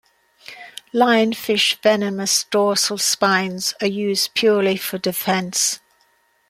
Lionfish venomous dorsal spines are used purely for defense.